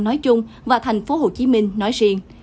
nói chung và thành phố hồ chí minh nói riêng